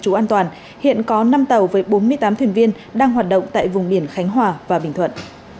trú an toàn hiện có năm tàu với bốn mươi tám thuyền viên đang hoạt động tại vùng biển khánh hòa và bình thuận